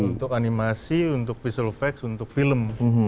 untuk animasi untuk visual facts untuk film